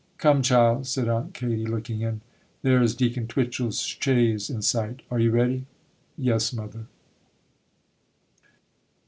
'Come, child,' said Aunt Katy, looking in, 'there is Deacon Twitchel's chaise in sight,—are you ready?' 'Yes, mother.